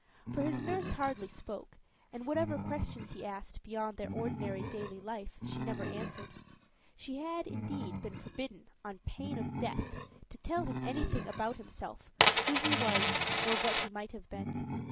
For his nurse hardly spoke, and whatever questions he asked beyond their ordinary daily life she never answered. She had, indeed, been forbidden, on pain of death, to tell him anything about himself, who he was, or what he might have been.